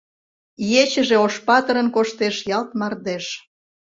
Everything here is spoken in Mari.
Ечыже Ошпатырын коштеш ялт мардеж.